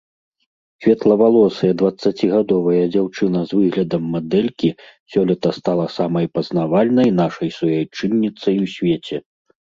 Светлавалосая дваццацігадовая дзяўчына з выглядам мадэлькі сёлета стала самай пазнавальнай нашай суайчынніцай у свеце.